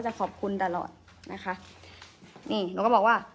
แชทสิวะ